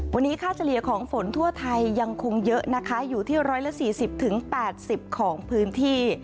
วันนี้ค่าเฉลี่ยของฝนทั่วไทยยังคงเยอะนะคะอยู่ที่๑๔๐๘๐ของพื้นที่